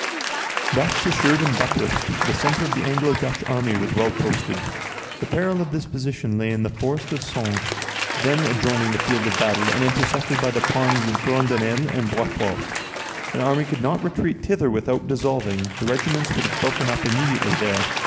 Thus assured and buttressed, the centre of the Anglo Dutch army was well posted. The peril of this position lay in the forest of Soignes, then adjoining the field of battle, and intersected by the ponds of Groenendael and Boitsfort. An army could not retreat thither without dissolving; the regiments would have broken up immediately there.